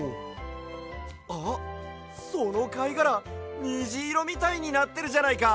あっそのかいがらにじいろみたいになってるじゃないか！